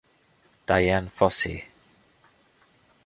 Diane Fossey